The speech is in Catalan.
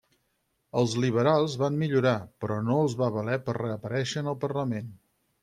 Els liberals van millorar però no els va valer per reaparèixer en el parlament.